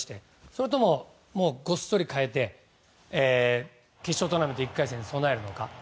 それとも、もうごっそり代えて決勝トーナメント１回戦に備えるのか。